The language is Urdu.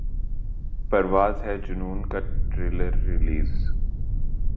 پرواز ہے جنون کا ٹریلر ریلیز